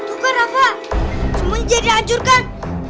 tuh kak rafa semuanya jadi dihancurkan